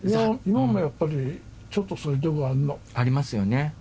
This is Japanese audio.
今もやっぱりちょっとそういうとこがあんのありますよね